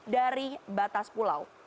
dari batas pulau